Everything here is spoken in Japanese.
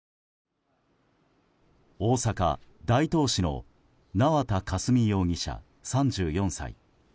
大阪・大東市の縄田佳純容疑者、３４歳。